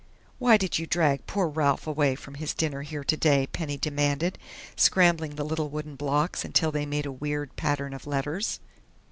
"Why did you drag poor Ralph away from his dinner here today?" Penny demanded, scrambling the little wooden blocks until they made a weird pattern of letters.